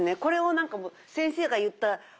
これを先生が言った歩数を